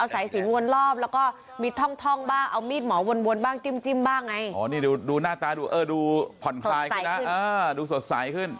สดใสขึ้น